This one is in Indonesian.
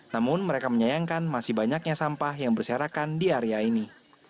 namun mereka menyayangkan masih banyaknya sampah yang berserakan di area ini